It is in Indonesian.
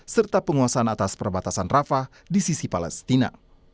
serta penguasaan atas perbatasan rafah di sisi palestina